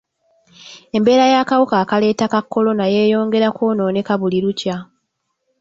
Embeera y'akawuka akaleeta ka kolona yeeyongera kwonooneka buli lukya.